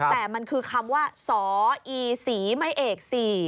แต่มันคือคำว่าสอีศรีไม่เอก๔